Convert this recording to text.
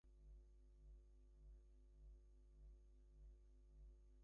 The Armstrong name was common over the whole of Northumbria and the Scottish Borders.